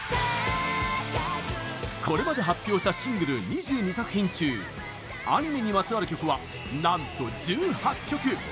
これまで発表したシングル２２作品中アニメにまつわる曲はなんと１８曲。